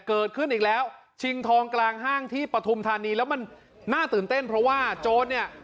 เกิดขึ้นอีกแล้วชิงทองกลางห้างที่ปฐุมธานีแล้วมันน่าตื่นเต้นเพราะว่าโจรเนี่ย